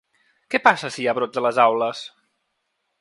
Què passa, si hi ha brots a les aules?